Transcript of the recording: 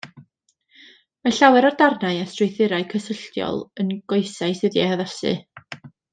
Mae llawer o'r darnau a strwythurau cysylltiol yn goesau sydd wedi eu haddasu.